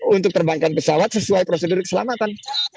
untuk perbankan pesawat sesuai prosedur keselamatan